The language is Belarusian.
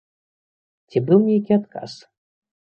Ці быў нейкі адказ?